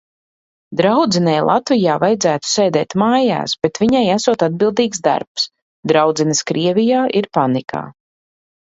Draudzenei Latvijā vajadzētu sēdēt mājās, bet viņai esot atbildīgs darbs. Draudzenes Krievijā ir panikā.